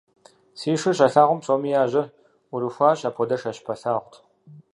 Си шыр щалъагъум, псоми я жьэр Ӏурыхуащ – апхуэдэш я щыпэлъагъут.